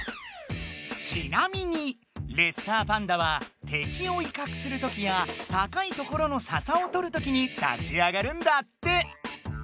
ちなみにレッサーパンダは敵をいかくするときや高いところのささをとるときに立ち上がるんだって。